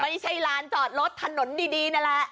ไม่ใช่ร้านจอดรถถนนดีน่ะละ